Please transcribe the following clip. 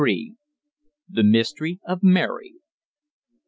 THE MYSTERY OF MARY.